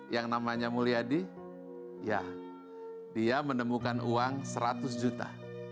yang namanya mulyadi ya dia menemukan uang seratus juta